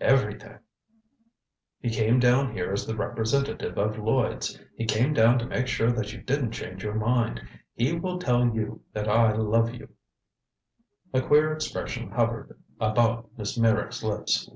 "Everything. He came down here as the representative of Lloyds. He came down to make sure that you didn't change your mind. He will tell you that I love you " A queer expression hovered about Miss Meyrick's lips.